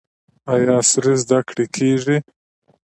آیا عصري زده کړې کیږي؟